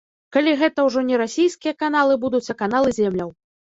Калі гэта ўжо не расійскія каналы будуць, а каналы земляў.